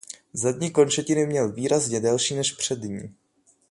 Zadní končetiny měl výrazně delší než přední.